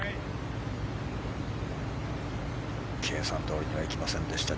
計算どおりにはいきませんでした。